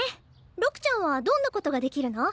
六ちゃんはどんなことができるの？